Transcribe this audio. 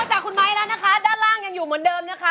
จากคุณไม้แล้วนะคะด้านล่างยังอยู่เหมือนเดิมนะคะ